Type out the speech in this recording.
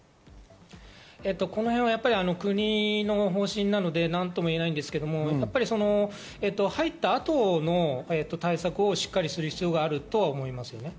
このへんは国の方針なので何とも言えないんですけれど入った後の対策をしっかりする必要があると思います。